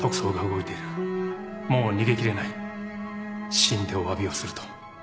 死んでおわびをすると。